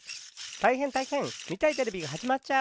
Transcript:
たいへんたいへん！みたいテレビがはじまっちゃう！